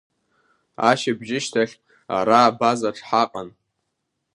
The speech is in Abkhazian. Ашьыбжьышьҭахь ара абазаҿ ҳаҟан.